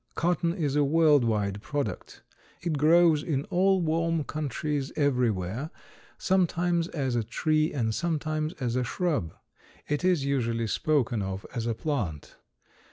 Cotton is a world wide product. It grows in all warm countries everywhere, sometimes as a tree and sometimes as a shrub. It is usually spoken of as a plant.